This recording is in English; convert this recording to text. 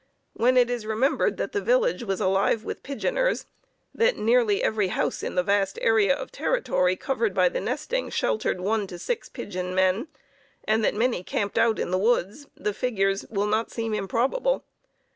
When it is remembered that the village was alive with pigeoners, that nearly every house in the vast area of territory covered by the nesting sheltered one to six pigeon men, and that many camped out in the woods, the figures will not seem improbable.